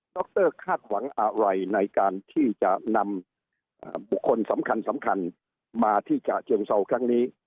รคาดหวังอะไรในการที่จะนำบุคคลสำคัญมาที่ฉะเชิงเศร้าครั้งนี้